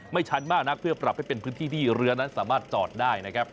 ชันมากนักเพื่อปรับให้เป็นพื้นที่ที่เรือนั้นสามารถจอดได้นะครับ